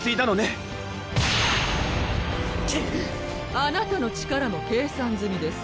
あなたの力も計算ずみです